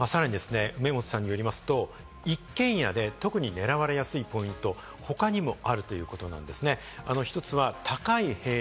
さらに梅本さんによりますと、一軒家で特に狙われやすいポイント、他にもあるということなんですね。